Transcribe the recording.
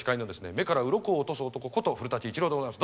目からうろこを落とす男こと古伊知郎でございます。